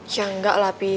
ya enggak lah pi